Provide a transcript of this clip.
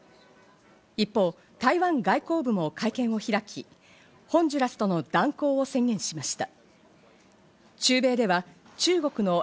一方、台湾外交部も会見を開き、ホンジュラスとの断交を宣言しました。